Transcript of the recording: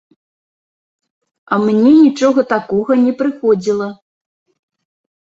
А мне нічога такога не прыходзіла.